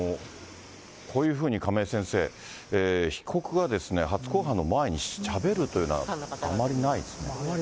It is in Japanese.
こういうふうに亀井先生、被告がですね、初公判の前にしゃべあまりないですね。